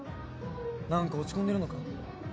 何か落ち込んでるのか？